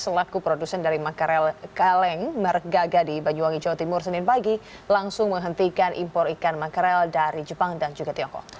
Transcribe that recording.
selaku produsen dari makarel kaleng margaga di banyuwangi jawa timur senin pagi langsung menghentikan impor ikan makarel dari jepang dan juga tiongkok